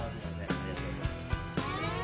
ありがとうございます。